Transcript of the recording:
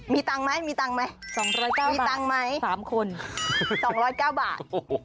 มีตังค์ไหมมีตังค์ไหม๒๐๙บาท๓คน๒๐๙บาท